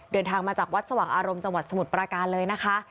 เดินทางมาจากวัดสว่างอารมณ์จังหวัดสมุทรปราการเลยนะคะ